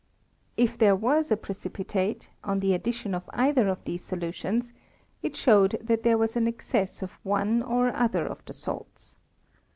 If there was a precipitate, on the addition of either of these solutions, it showed that there was an excess of one or other of the salts.